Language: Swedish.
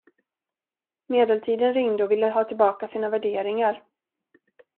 Medeltiden ringde och ville ha tillbaka sina värderingar.